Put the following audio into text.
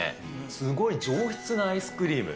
すごい上質なアイスクリーム。